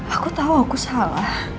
aku tahu aku salah